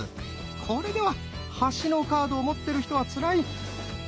これでは端のカードを持ってる人はつらい！